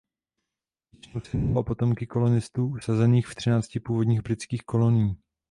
Většinou se jednalo o potomky kolonistů usazených v třinácti původních britských kolonií.